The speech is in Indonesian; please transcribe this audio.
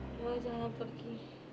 mama jangan pergi